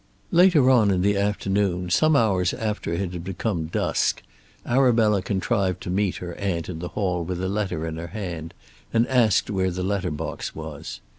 Later on in the afternoon, some hours after it became dusk, Arabella contrived to meet her aunt in the hall with a letter in her hand, and asked where the letter box was.